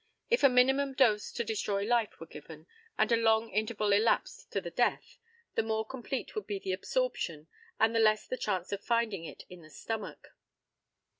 If a minimum dose to destroy life were given, and a long interval elapsed to the death, the more complete would be the absorption and the less the chance of finding it in the stomach.